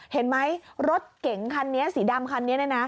เห็นไหมรถเก่งคันนี้สีดำคันนี้